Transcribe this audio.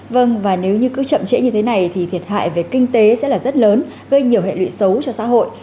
vâng và nếu như cứ chậm trễ như thế này thì thiệt hại về kinh tế sẽ là rất lớn gây nhiều hệ lụy xấu cho xã hội